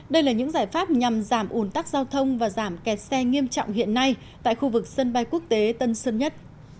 đây là những giải pháp nhằm giảm ủn tắc giao thông và giảm kẹt xe nghiêm trọng hiện nay tại khu vực sân bay quốc tế tân sơn nhất